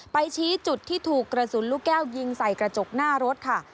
ชี้จุดที่ถูกกระสุนลูกแก้วยิงใส่กระจกหน้ารถค่ะ